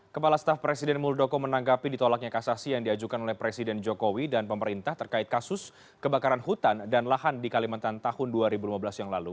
kepala staf presiden muldoko menanggapi ditolaknya kasasi yang diajukan oleh presiden jokowi dan pemerintah terkait kasus kebakaran hutan dan lahan di kalimantan tahun dua ribu lima belas yang lalu